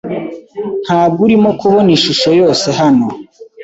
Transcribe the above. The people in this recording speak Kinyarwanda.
Ntabwo urimo kubona ishusho yose hano.